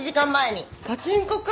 パチンコか。